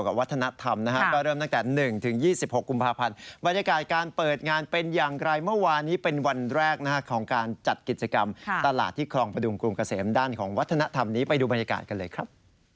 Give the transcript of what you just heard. บรรยากาศการเปิดงานเป็นอย่างไรเมื่อวานนี้เป็นวันแรกของการจัดกิจกรรมตลาดที่คลองพระดุงกรุงเกษมด้านของวัฒนธรรมนี้ไปดูบรรยากาศกันเลยครับ